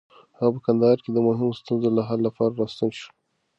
هغه په کندهار کې د مهمو ستونزو د حل لپاره راستون شو.